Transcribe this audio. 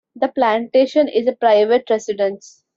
The plantation is a private residence.